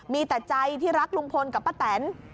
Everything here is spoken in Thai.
มีแต่ใจที่รักลุงพลกับป้าแตน